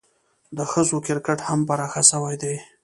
د ښځو کرکټ هم پراخه سوی دئ.